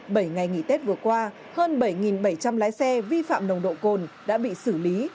bảy ngày nghỉ tết vừa qua hơn bảy bảy trăm linh lái xe vi phạm nồng độ cồn đã bị xử lý